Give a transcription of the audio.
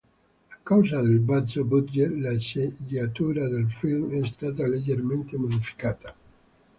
A causa del basso budget la sceneggiatura del film è stata leggermente modificata.